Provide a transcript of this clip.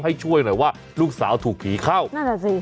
ให้ช่วยหน่อยว่าลูกสาวถูกผีเข้านั่นแหละสิ